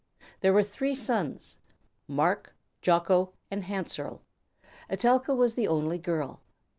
There were three sons, Marc, Jocko, and Hanserl; Etelka was the only girl.